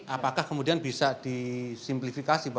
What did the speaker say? apakah kemudian bisa disimplifikasi